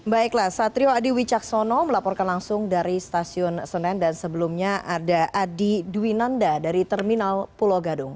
baiklah satrio adi wicaksono melaporkan langsung dari stasiun senen dan sebelumnya ada adi dwinanda dari terminal pulau gadung